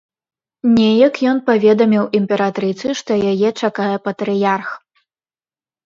Неяк ён паведаміў імператрыцы, што яе чакае патрыярх.